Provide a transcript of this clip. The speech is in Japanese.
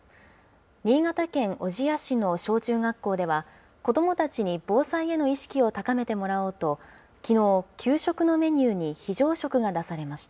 新潟県小千谷市の小中学校では、子どもたちに防災への意識を高めてもらおうと、きのう、給食のメニューに非常食が出されました。